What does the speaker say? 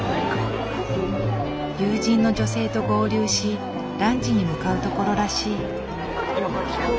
友人の女性と合流しランチに向かうところらしい。